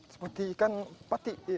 seperti ikan pati